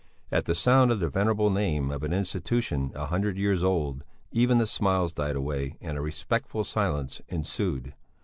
At the sound of the venerable name of an institution a hundred years old, even the smiles died away and a respectful silence ensued.